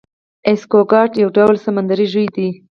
ایکسکوات یو ډول سمندری ژوی دی